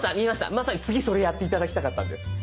まさに次それやって頂きたかったんです。